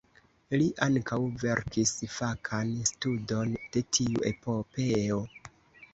Li ankaŭ verkis fakan studon de tiu epopeo.